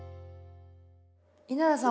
稲田さん